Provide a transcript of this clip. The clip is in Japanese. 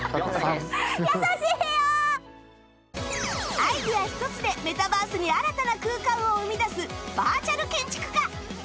アイデア１つでメタバースに新たな空間を生み出すバーチャル建築家